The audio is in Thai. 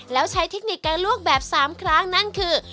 แล้วใช้เทคนิคการลวกแบบ๓ครั้งนั่นคือ